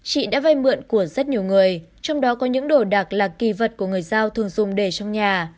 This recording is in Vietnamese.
chị đã vay mượn của rất nhiều người trong đó có những đồ đạc là kỳ vật của người giao thường dùng để trong nhà